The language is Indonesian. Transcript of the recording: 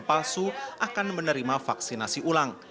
palsu akan menerima vaksinasi ulang